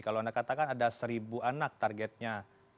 kalau anda katakan ada seribu anak targetnya